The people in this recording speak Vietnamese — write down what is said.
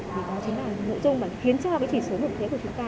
đó chính là nội dung mà khiến cho cái chỉ số nội dung của chúng ta